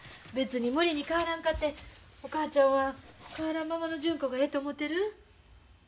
別に無理に変わらんかてお母ちゃんは変わらんままの純子がええと思てる。